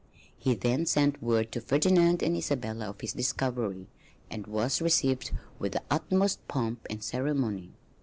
He then sent word to Ferdinand and Isabella of his discovery, and was received with the utmost pomp and ceremony.